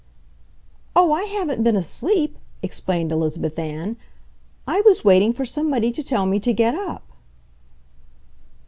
"Oh, I haven't been asleep!" explained Elizabeth Ann. "I was waiting for somebody to tell me to get up."